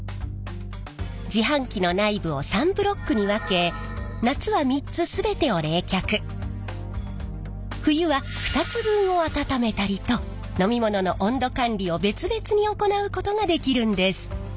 自販機の内部を３ブロックに分け夏は３つ全てを冷却冬は２つ分を温めたりと飲み物の温度管理を別々に行うことができるんです。